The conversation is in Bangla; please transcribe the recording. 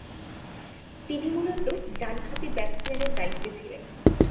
তিনি মূলতঃ ডানহাতি ব্যাটসম্যানের দায়িত্বে ছিলেন।